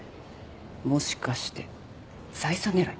もしかして財産狙い？